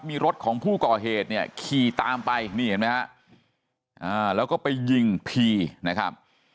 มีรถของผู้ก่อเหตุขี่ตามไปแล้วก็ไปยิงผีนะครับ